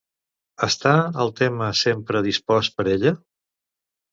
Està el Temme sempre dispost per ella?